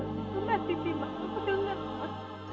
aku nantikan ma aku dengar ma